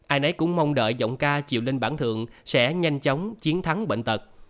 ai nấy cũng mong đợi giọng ca chiều lên bản thượng sẽ nhanh chóng chiến thắng bệnh tật